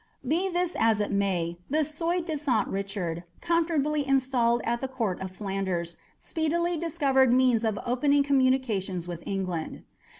Be this as it may, the soi disant Richard, comfortably installed at the Court of Flanders, speedily discovered means of opening communications with England.